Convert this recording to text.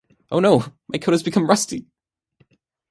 Oh no! My code has become Rusty!